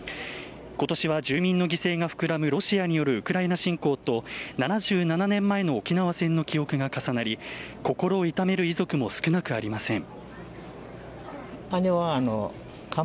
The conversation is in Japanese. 今年は住民の犠牲が膨らむロシアによるウクライナ侵攻と７７年前の沖縄戦の記憶が重なり心を痛める遺族も少なくありません。